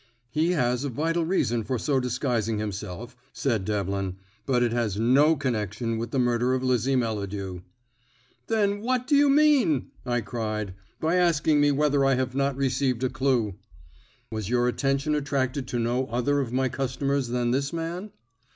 "He has a vital reason for so disguising himself," said Devlin, "but it has no connection with the murder of Lizzie Melladew." "Then what do you mean?" I cried, "by asking me whether I have not received a clue?" "Was your attention attracted to no other of my customers than this man?"